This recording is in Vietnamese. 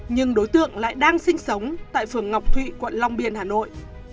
nhưng đối tượng lại đang sinh sống tại phường ngọc thụy quận long biên hà nội